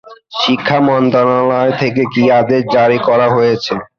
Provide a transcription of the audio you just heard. শিক্ষা মন্ত্রণালয় থেকে কি আদেশ জারি করা হয়েছে?